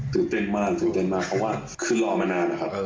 ตื่นเต้นมากตื่นเต้นมากเพราะว่าคือรอมานานนะครับ